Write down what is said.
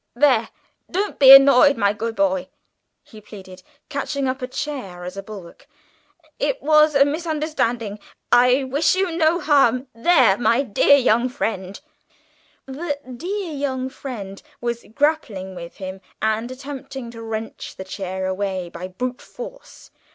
"There, don't be annoyed, my good boy," he pleaded, catching up a chair as a bulwark. "It was a misunderstanding. I wish you no harm. There, my dear young friend! Don't!" The "dear young friend" was grappling with him and attempting to wrest the chair away by brute force.